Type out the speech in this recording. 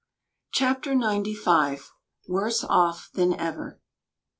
CHAPTER NINETY FIVE. WORSE OFF THAN EVER.